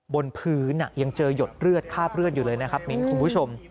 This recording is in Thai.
บนพื้นยังเจอหยดเลือดคาบเลือดอยู่เลยนะครับมิ้นคุณผู้ชม